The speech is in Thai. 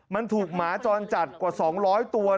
มันถูกหมาจรจัดกว่า๒๐๐ตัว